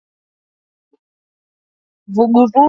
weka hamira kwenye vikombe nne vya maji ya uvuguvugu